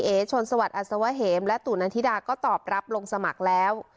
เอชนสวัสดิอัศวะเหมและตู่นันธิดาก็ตอบรับลงสมัครแล้ว